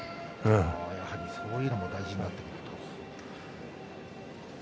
やはり、そういうのも大事になってくると。